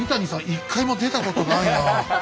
一回も出たことないなあ。